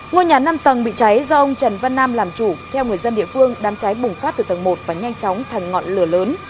ngôi nhà năm tầng bị cháy do ông trần văn nam làm chủ theo người dân địa phương đám cháy bùng phát từ tầng một và nhanh chóng thành ngọn lửa lớn